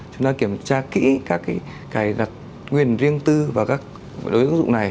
chúng ta kiểm tra kỹ các cái cài đặt nguyên riêng tư và các đối ứng dụng này